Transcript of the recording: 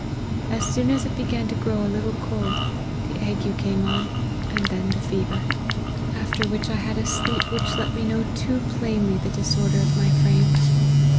As soon as it began to grow a little cold, the ague came on, and then the fever : after which I had a sleep, which let me know too plainly the disorder of my frame.